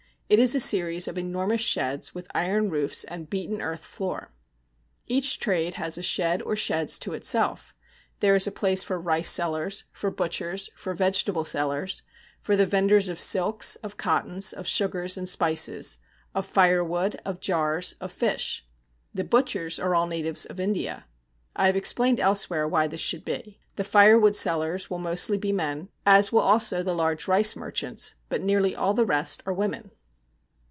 It is a series of enormous sheds, with iron roofs and beaten earth floor. Each trade has a shed or sheds to itself. There is a place for rice sellers, for butchers, for vegetable sellers, for the vendors of silks, of cottons, of sugars and spices, of firewood, of jars, of fish. The butchers are all natives of India. I have explained elsewhere why this should be. The firewood sellers will mostly be men, as will also the large rice merchants, but nearly all the rest are women.